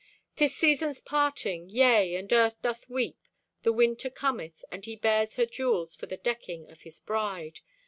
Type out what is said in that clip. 'Tis season's parting. Yea, and earth doth weep. The Winter cometh, And he bears her jewels for the decking Of his bride.